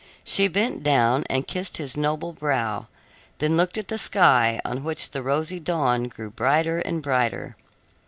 She bent down and kissed his noble brow, then looked at the sky, on which the rosy dawn grew brighter and brighter.